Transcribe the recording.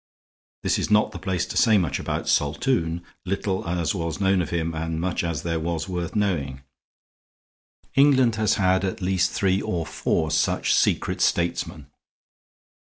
This is not the place to say much about Saltoun, little as was known of him and much as there was worth knowing. England has had at least three or four such secret statesmen.